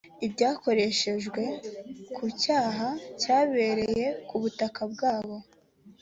ibyakoreshejwe ku cyaha cyabereye ku butaka bwabo